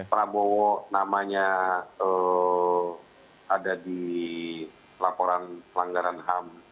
prabowo namanya ada di laporan pelanggaran ham